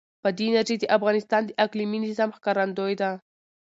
بادي انرژي د افغانستان د اقلیمي نظام ښکارندوی ده.